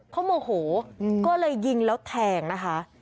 เขาโมโหก็เลยยิงแล้วแทงนะคะ